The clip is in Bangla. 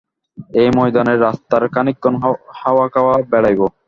এই ময়দানের রাস্তায় খানিকক্ষণ হাওয়া খাইয়া বেড়াইব।